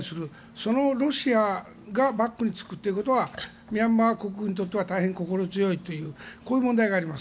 そのロシアがバックにつくということはミャンマー国軍にとっては大変心強いというこういう問題があります。